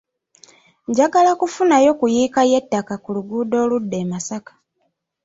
Njagala kufunayo ku yiika y'ettaka ku luguudo oludda e Masaka.